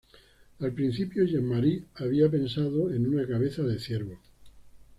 Al principio Jean Marais había pensado en una cabeza de ciervo.